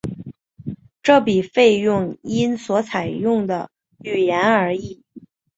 这笔费用因所采用的语言而异。